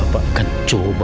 bapak akan coba